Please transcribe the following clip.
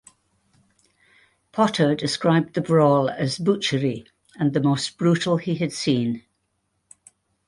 Potter described the brawl as "butchery" and the most brutal he had seen.